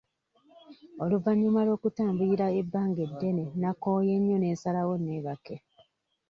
Oluvannyuma lw'okutambulira ebbanga eddene nakooye nnyo ne nsalawo neebake.